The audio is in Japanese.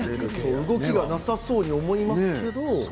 動きがなさそうに思いますけど。